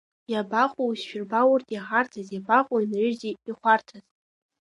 Иабаҟоу, исшәырба урҭ иҳарҭаз, иабаҟоу, инрыжьзеи ихәарҭаз?